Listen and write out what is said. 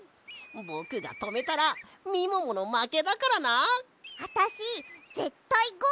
ぼくがとめたらみもものまけだからな。あたしぜったいゴールするもん！